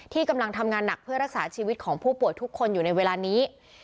กำลังทำงานหนักเพื่อรักษาชีวิตของผู้ป่วยทุกคนอยู่ในเวลานี้